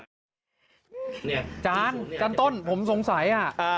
อาจารย์อาจารย์ต้นผมสงสัย